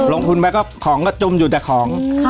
ลงทุนไปก็ของก็จุมอยู่แต่ของ